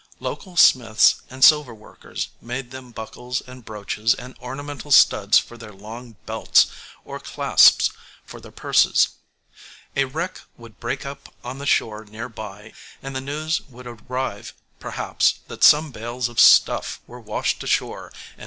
Local smiths and silver workers made them buckles and brooches and ornamental studs for their long belts, or clasps for their purses. A wreck would break up on the shore near by, and the news would arrive, perhaps, that some bales of stuff were washed ashore and were to be sold.